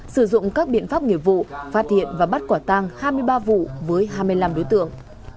sử dụng các biện pháp nghiệp vụ phát hiện và bắt quả tăng hai mươi ba vụ với hai mươi năm đối tượng